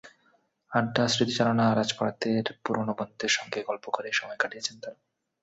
আড্ডা, স্মৃতিচারণা, রাজপথের পুরোনো বন্ধুর সঙ্গে গল্প করে সময় কাটিয়েছেন তাঁরা।